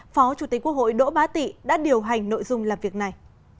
phó chủ tịch quốc hội đỗ bá tị đã điều hành nội dung làm việc này